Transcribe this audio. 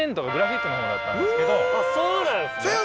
あっそうなんですね。